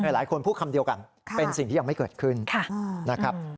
หลายคนพูดคำเดียวกันเป็นสิ่งที่ยังไม่เกิดขึ้นนะครับ